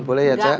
boleh ya cepopon